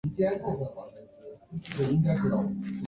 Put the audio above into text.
驼石鳖属为石鳖目石鳖科下的一个属。